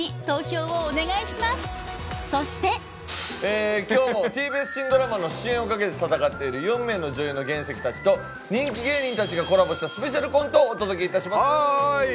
そして今日もＴＢＳ新ドラマの主演をかけて戦っている４名の女優の原石たちと人気芸人たちがコラボしたスペシャルコントをお届けいたします